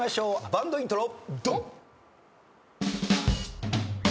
バンドイントロ。